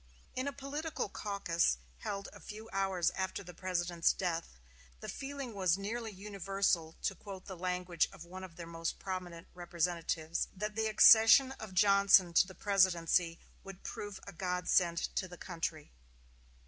In a political caucus, held a few hours after the President's death, "the feeling was nearly universal," to quote the language of one of their most prominent representatives, "that the accession of Johnson to the presidency would prove a godsend to the country."